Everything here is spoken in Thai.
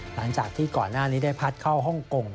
หลังจากที่ก่อนหน้านี้ได้พัดเข้าฮ่องกง